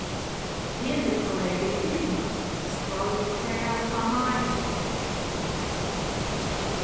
Dienvidkoreja bija pirmā, kas kvalificējās kā mājiniece.